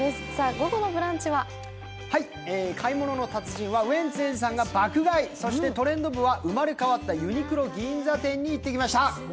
午後の「ブランチ」は「買い物の達人」はウエンツ瑛士さんが爆買い、そして「トレンド部」は生まれ変わったユニクロ銀座店に行ってきました。